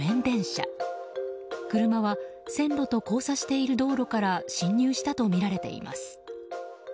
車は線路と交差している道路から進入したとみられています。